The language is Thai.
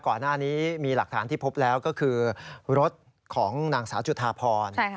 ก่อนหน้านี้มีหลักฐานที่พบแล้วก็คือรถของนางสาวจุธาพร